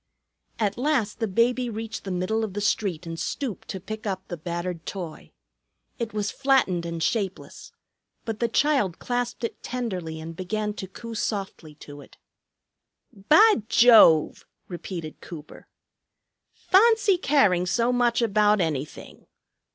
At last the baby reached the middle of the street and stooped to pick up the battered toy. It was flattened and shapeless, but the child clasped it tenderly and began to coo softly to it. "Bah Jove!" repeated Cooper. "Fahncy caring so much about anything!